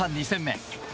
２戦目。